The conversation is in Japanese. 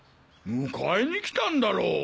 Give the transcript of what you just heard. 迎えに来たんだろう？